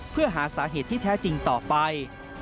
เพื่อหาสาเหตุที่แท้จริงต่อไป